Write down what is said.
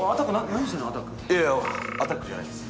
いやアタックじゃないです。